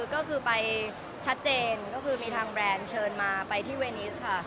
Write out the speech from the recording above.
ก็คือไปชัดเจนก็คือมีทางแบรนด์เชิญมาไปที่เวนิสค่ะ